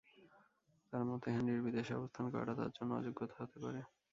তাঁর মতে, হেনরির বিদেশে অবস্থান করাটা তাঁর জন্য অযোগ্যতা হতে পারে।